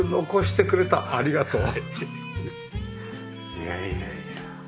いやいやいや。